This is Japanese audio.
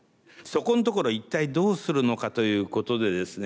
そこんところ一体どうするのかということでですね